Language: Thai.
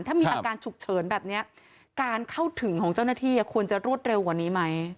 ถ้ามีอาการฉุกเฉินแบบนี้การเข้าถึงของเจ้าหน้าที่ควรจะรวดเร็วกว่านี้ไหม